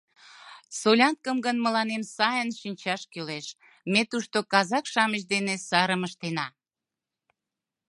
Солянкым гын мыланем сайын шинчаш кӱлеш: ме тушто казак-шамыч дене сарым ыштена!